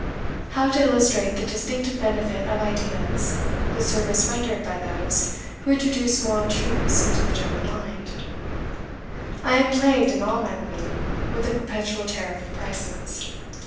How to illustrate the distinctive benefit of ideas, the service rendered by those who introduce moral truths into the general mind? I am plagued, in all my living, with a perpetual tariff of prices.